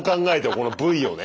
このＶをね